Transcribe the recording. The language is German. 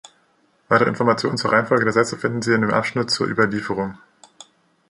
Weitere Informationen zur Reihenfolge der Sätze finden Sie in dem Abschnitt zur Überlieferung.